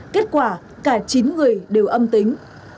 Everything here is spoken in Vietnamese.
kết quả cả chín người đều âm tính